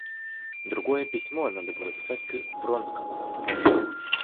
Другое письмо надо было писать к Вронскому.